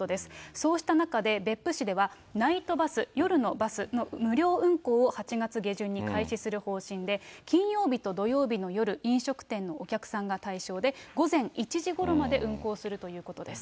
そうした中で、別府市ではナイトバス、夜のバスの無料運行を８月下旬に開始する方針で、金曜日と土曜日の夜、飲食店のお客さんが対象で、午前１時ごろまで運行するということです。